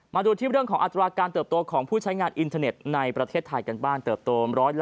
มาดูที่เรื่องของอัตราการเติบโตของผู้ใช้งานอินเทอร์เน็ตในประเทศไทยกันบ้างเติบโต๑๓